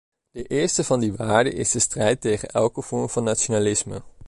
De eerste van die waarden is de strijd tegen elke vorm van nationalisme.